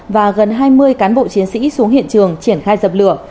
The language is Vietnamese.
và gần hai mươi cán bộ chiến sĩ xuống hiện trường triển khai dập lửa